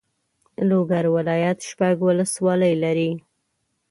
لوګر ولایت شپږ والسوالۍ لري.